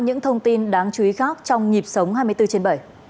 những thông tin đáng chú ý khác trong nhịp sống hai mươi bốn trên bảy